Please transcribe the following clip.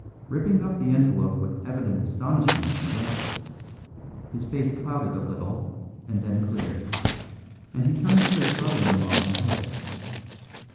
Ripping up the envelope with evident astonishment he read it; his face clouded a little, and then cleared, and he turned to his brother in law and host.